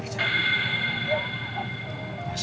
peningkahan kamu sebenarnya